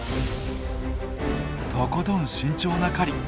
とことん慎重な狩り。